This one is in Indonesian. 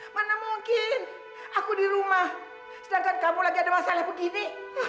mana mungkin aku di rumah sedangkan kamu lagi ada masalah begini